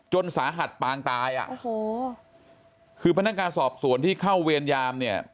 จนสาหัสปางตายคือพนักการสอบสวนที่เข้าเวียนยามเนี่ย